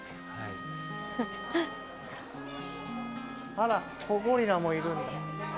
あら子ゴリラもいるんだ。